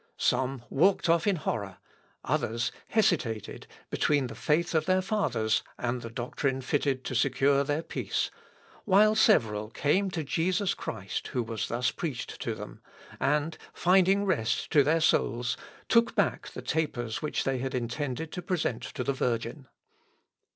Some walked off in horror; others hesitated between the faith of their fathers and the doctrine fitted to secure their peace, while several came to Jesus Christ who was thus preached to them, and finding rest to their souls, took back the tapers which they had intended to present to the Virgin.